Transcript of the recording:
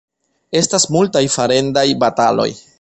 Estas multaj farendaj bataloj.